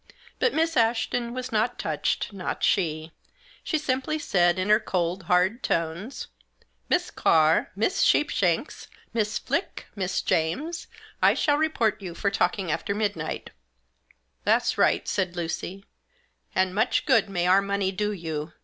But Miss Ashton was not touched, not she ; she simply said, in her cold, hard tones : "Miss Carr, Miss Sheepshanks, Miss Flick, Miss James, I shall report you for talking after midnight" " That's right," said Lucy, " and much good may our money do you.